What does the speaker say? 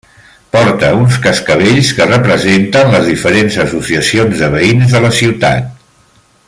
Porta uns cascavells que representen les diferents associacions de veïns de la ciutat.